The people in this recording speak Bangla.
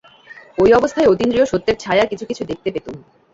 ঐ অবস্থায় অতীন্দ্রিয় সত্যের ছায়া কিছু কিছু দেখতে পেতুম।